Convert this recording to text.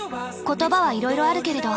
言葉はいろいろあるけれど。